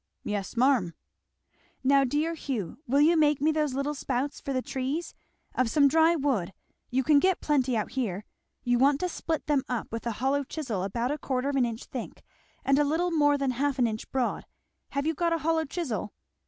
"Yes marm!" "Now dear Hugh, will you make me those little spouts for the trees! of some dry wood you can get plenty out here. You want to split them up with a hollow chisel about a quarter of an inch thick, and a little more than half an inch broad. Have you got a hollow chisel?"